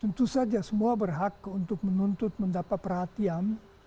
tentu saja semua berhak untuk menuntut mendapat perhatian